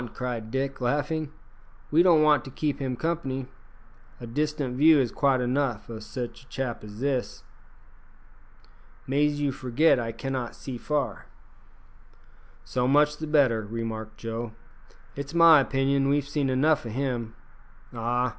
cried Dick, laughing; "we don't want to keep him company. A distant view is quite enough o' sich a chap as that." "Mais you forgit I cannot see far." "So much the better," remarked Joe; "it's my opinion we've seen enough o' him. Ah!